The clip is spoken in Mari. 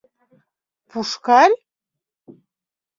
— Пушкарь?